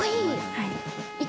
はい。